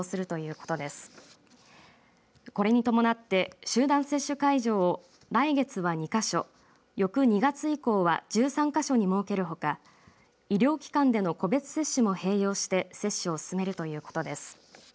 これに伴って、集団接種会場を来月は２か所翌２月以降は１３か所に設けるほか医療機関での個別接種も併用して接種を進めるということです。